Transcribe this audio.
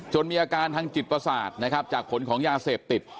จนมีอาการทางจิตประสาทจากขนของยาเสพติด